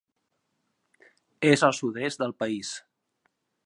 És al sud-est del país.